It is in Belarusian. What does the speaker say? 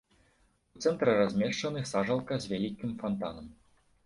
У цэнтры размешчаны сажалка з вялікім фантанам.